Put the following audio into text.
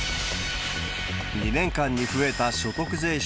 ２年間に増えた所得税収